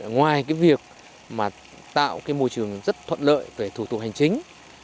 ngoài việc tạo môi trường rất thuận lợi về thủ tục hành chính